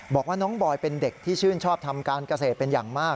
บอกว่าน้องบอยเป็นเด็กที่ชื่นชอบทำการเกษตรเป็นอย่างมาก